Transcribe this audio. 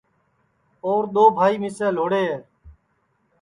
اور دؔؔوبھائی مِسے لھوڑے ہے